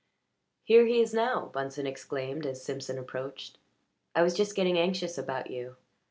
"Here he is now!" Bunsen exclaimed as Simpson approached. "I was just getting anxious about you.